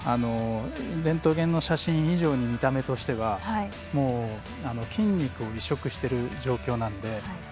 レントゲンの写真以上に見た目としては筋肉を移植してる状況なので。